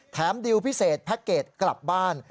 ดิวพิเศษแพ็คเกจกลับบ้าน